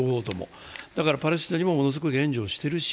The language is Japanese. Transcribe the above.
だから、パレスチナにもものすごい援助をしていると。